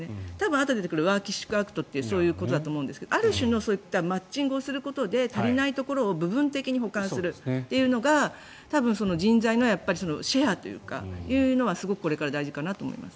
あとで出てくるワーキッシュアクトってそういうことだと思うんですがある種のマッチングをすることで足りないところを部分的に補完するというのが人材のシェアというのはすごくこれから大事かなと思います。